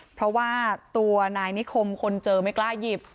เพราะว่าตัวนายนิคมคนเจอไม่กล้าหยิบ